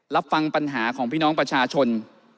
รับฟังปัญหาของพี่น้องประชาชน